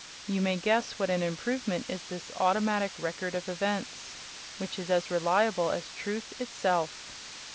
You may guess what an improvement is this automatic Record of Events, which is as reliable as Truth itself.